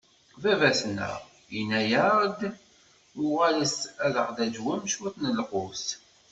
Baba-tneɣ, inna-yaɣ-d: Uɣalet ad ɣ-d-taǧwem cwiṭ n lqut.